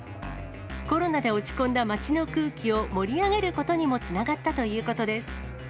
コロナで落ち込んだ町の空気を盛り上げることにもつながったということです。